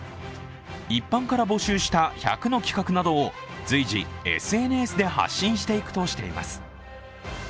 一般から募集した１００の企画などを随時、ＳＮＳで発信していくとしています。